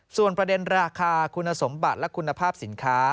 ส่วนประเด็นราคาคุณสมบัติและคุณภาพสินค้า